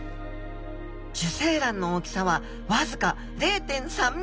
受精卵の大きさは僅か０．３ｍｍほど。